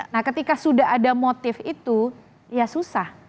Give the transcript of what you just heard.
nah ketika sudah ada motif itu ya susah